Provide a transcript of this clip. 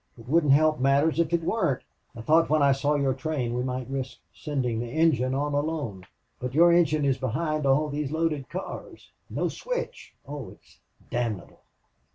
It wouldn't help matters if it weren't. I thought when I saw your train we might risk sending the engine on alone. But your engine is behind all these loaded cars. No switch. Oh, it is damnable!"